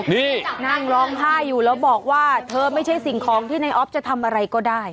นี่นั่งร้องไห้อยู่แล้วบอกว่าเธอไม่ใช่สิ่งของที่ในออฟจะทำอะไรก็ได้